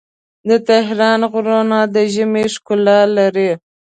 د تهران غرونه د ژمي ښکلا لري.